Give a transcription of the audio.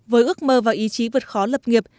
với ước mơ và ý chí vượt khó lập nghiệp